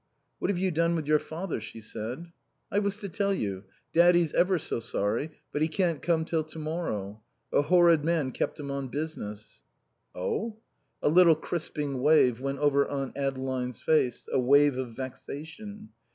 "What have you done with your father?" she said. "I was to tell you. Daddy's ever so sorry; but he can't come till to morrow. A horrid man kept him on business." "Oh?" A little crisping wave went over Aunt Adeline's face, a wave of vexation.